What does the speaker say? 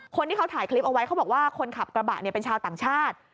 คนที่เขาถ่ายคลิปเอาไว้เขาบอกว่าคนขับกระบะเนี่ยเป็นชาวต่างชาติ